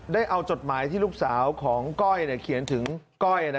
ได้เอาจดหมายที่ลูกสาวของก้อยเขียนถึงก้อย